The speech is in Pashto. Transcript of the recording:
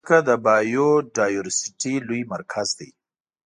مځکه د بایوډایورسټي لوی مرکز دی.